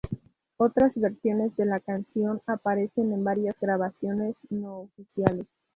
Otras versiones de la canción aparecen en varias grabaciones no-oficiales.